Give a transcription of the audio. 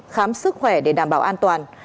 khám sức khỏe để đảm bảo an toàn